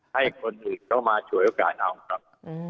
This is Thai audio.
ให้คนอื่นเข้ามาฉวยโอกาสเอาครับ